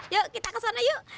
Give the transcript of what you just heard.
yuk kita kesana yuk